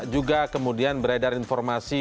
juga kemudian beredar informasi